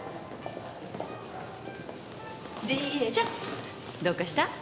理恵ちゃんどうかした？